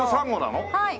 はい。